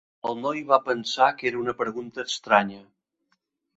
El noi va pensar que era una pregunta estranya.